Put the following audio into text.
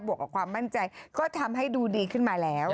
วกกับความมั่นใจก็ทำให้ดูดีขึ้นมาแล้ว